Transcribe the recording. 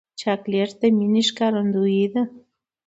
چاکلېټ د مینې ښکارندویي ده.